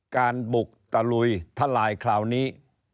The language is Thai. การบุกตะลุยทะลายคราวนี้